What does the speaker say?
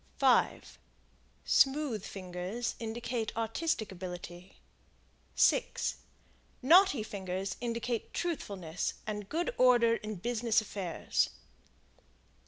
5 Smooth fingers indicate artistic ability. 6 Knotty fingers indicate truthfulness and good order in business affairs.